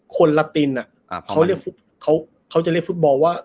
คนไลตินเขาจะเรียกฟุตบอลว่า